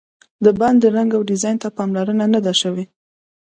د باندې رنګ او ډیزاین ته پاملرنه نه ده شوې.